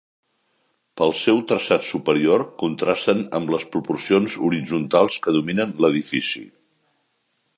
Pel seu traçat superior contrasten amb les proporcions horitzontals que dominen l'edifici.